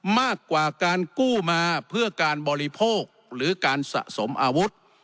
มากกว่าการกู้มาเพื่อการบริโภคหรือการสะสมอาวุธ